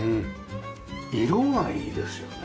色がいいですよね。